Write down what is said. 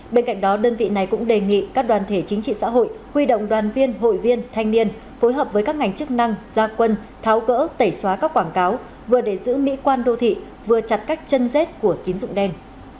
bên cạnh đó đơn vị này cũng đề nghị các đoàn thể chính trị xã hội huy động đoàn viên hội viên thanh niên phối hợp với các ngành chức năng gia quân tháo gỡ tẩy xóa các quảng cáo vừa để giữ mỹ quan đô thị vừa chặt các chân rết của tín dụng đen